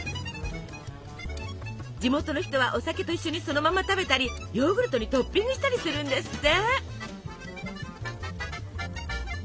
地元の人はお酒と一緒にそのまま食べたりヨーグルトにトッピングしたりするんですって。